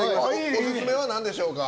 オススメはなんでしょうか？